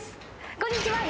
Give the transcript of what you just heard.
こんにちは。